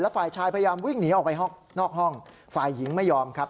ฝ่ายชายพยายามวิ่งหนีออกไปนอกห้องฝ่ายหญิงไม่ยอมครับ